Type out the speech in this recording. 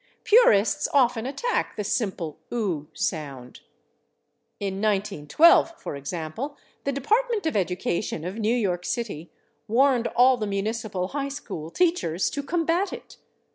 Purists often attack the simple /oo/ sound. In 1912, for example, the Department of Education of New York City warned all the municipal high school teachers to combat it.